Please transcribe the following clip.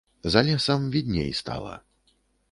За лесам відней стала.